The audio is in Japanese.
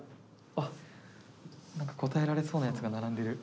あっ答えられそうなやつが並んでる。